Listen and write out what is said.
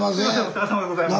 お世話さまでございます。